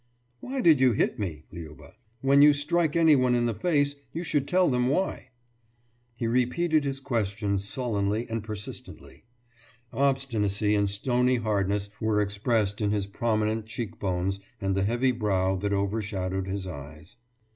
»Why did you hit me, Liuba? When you strike anyone in the face, you should tell them why.« He repeated his question sullenly and persistently. Obstinacy and stony hardness were expressed in his prominent cheekbones and the heavy brow that overshadowed his eyes.